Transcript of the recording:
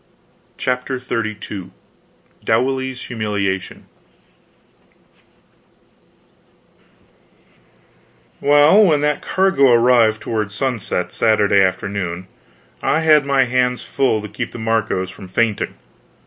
CHAPTER XXXII DOWLEY'S HUMILIATION Well, when that cargo arrived toward sunset, Saturday afternoon, I had my hands full to keep the Marcos from fainting.